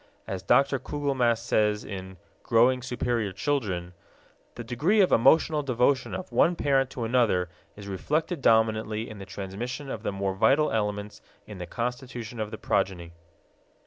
As Dr. Kugelmass says in Growing Superior Children, "The degree of emotional devotion of one parent to another is reflected dominantly in the transmission of the more vital elements in the constitution of the progeny."